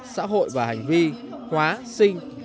xã hội và hành vi hóa sinh